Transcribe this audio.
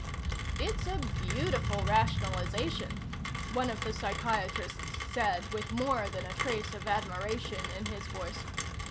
"It's a beautiful rationalization," one of the psychiatrists said with more than a trace of admiration in his voice.